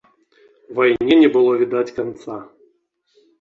Вайне не было відаць канца.